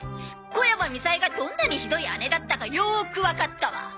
小山みさえがどんなにひどい姉だったかよーくわかったわ！